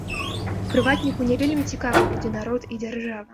Прыватніку не вельмі цікавы будзе народ і дзяржава.